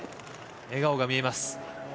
笑顔が見えます。